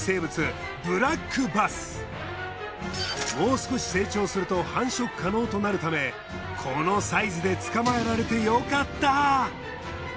もう少し成長すると繁殖可能となるためこのサイズで捕まえられてよかった。